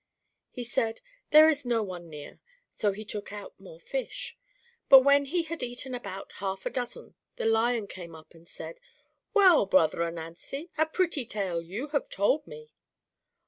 He said, "There is no one near;" so he took out more fish. But when he had eaten about half a dozen the Lion came up and said: "Well, brother Ananzi, a pretty tale you have told me."